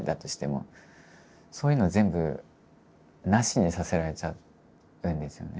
そういうのを全部なしにさせられちゃうんですよね。